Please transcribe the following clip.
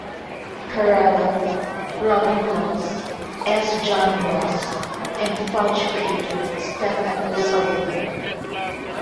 Carella, Robin Laws, S. John Ross, and "Fudge" creator Steffan O'Sullivan.